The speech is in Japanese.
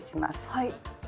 はい。